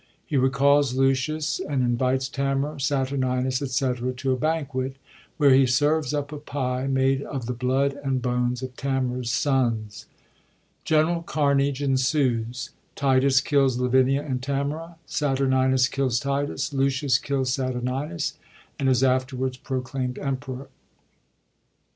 He re calls Lucius, and invites Tamora, Saturninus, &c., to a banquet, where he serves up a pie made of the blood and bones of Tamora*s sons. General carnage ensues. Titus kills Lavinia and Tamora ; Saturninus kills Titus ; Lucius kills Saturninus, and is afterwards proclaimd emperor.